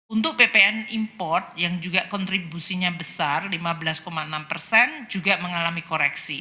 untuk ppn import yang juga kontribusinya besar lima belas enam persen juga mengalami koreksi